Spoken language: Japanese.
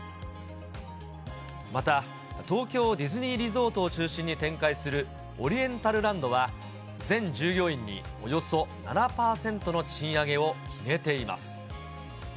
また東京ディズニーリゾートを中心に展開するオリエンタルランドは、全従業員におよそ７％の賃上げを決めています。